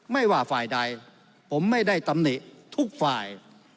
ไม่ว่าฝ่ายใดผมไม่ได้ตำหนิทุกฝ่าย